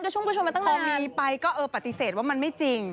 ใช่ไหมพอมีไปก็ปฏิเสธว่ามันไม่จริง